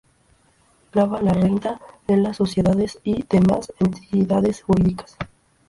Grava la renta de las sociedades y demás entidades jurídicas.